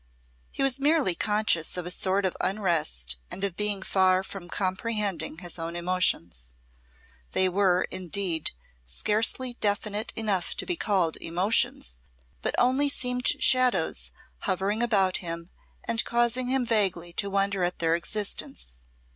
He was merely conscious of a sort of unrest and of being far from comprehending his own emotions. They were, indeed, scarcely definite enough to be called emotions, but only seemed shadows hovering about him and causing him vaguely to wonder at their existence.